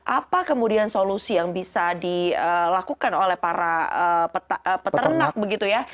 apa kemudian solusi yang bisa dilakukan oleh para peternak begitu ya